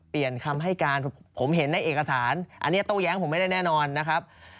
คำให้การผมเห็นในเอกสารอันนี้โต้แย้งผมไม่ได้แน่นอนนะครับ